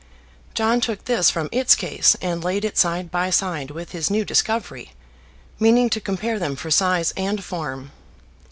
John took this from its case and laid it side by side with his new discovery, meaning to compare them for size and form.